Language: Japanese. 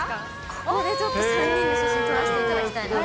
ここでちょっと３人で写真撮らせていただきたいなと。